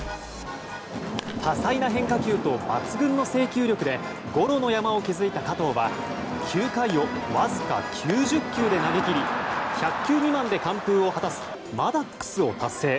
多彩な変化球と抜群の制球力でゴロの山を築いた加藤は９回をわずか９０球で投げ切り１００球未満で完封を果たすマダックスを達成。